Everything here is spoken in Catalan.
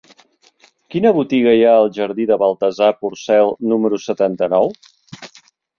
Quina botiga hi ha al jardí de Baltasar Porcel número setanta-nou?